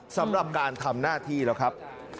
สำหรับการทำหน้าที่แล้วครับ